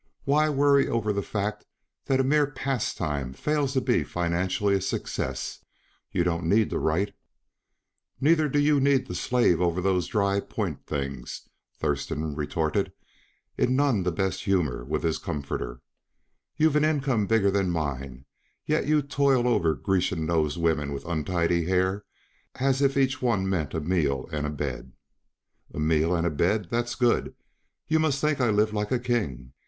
Why worry over the fact that a mere pastime fails to be financially a success. You don't need to write " "Neither do you need to slave over those dry point things," Thurston retorted, in none the best humor with his comforter "You've an income bigger than mine; yet you toil over Grecian nosed women with untidy hair as if each one meant a meal and a bed." "A meal and a bed that's good; you must think I live like a king."